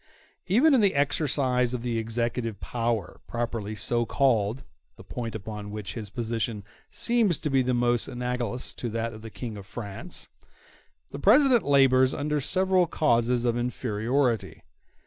Even in the exercise of the executive power, properly so called—the point upon which his position seems to be most analogous to that of the King of France—the President labors under several causes of inferiority.